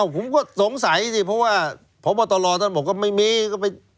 อ้าวผมก็สงสัยสิเพราะว่าตอนรอตอนนั้นบอกว่าไม่มี